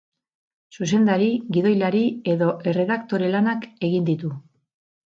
Zuzendari, gidoilari edo erredaktore lanak egin ditu.